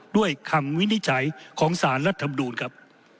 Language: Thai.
ด้วยคำวินิจฉัยของสารรัฐมนูลครับ